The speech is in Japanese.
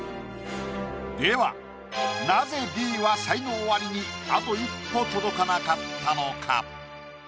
ではなぜＢは才能アリにあと一歩届かなかったのか？